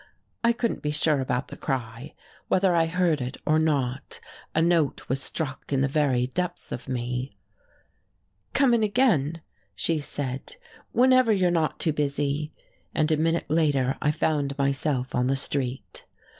I couldn't be sure about the cry, whether I heard it or not, a note was struck in the very depths of me. "Come in again," she said, "whenever you're not too busy." And a minute later I found myself on the street.